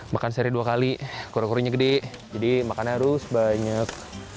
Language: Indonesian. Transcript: makan seri dua kali kura kurinya gede jadi makannya harus banyak